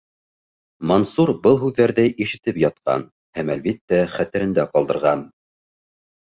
Мансур был һүҙҙәрҙе ишетеп ятҡан һәм, әлбиттә, хәтерендә ҡалдырған.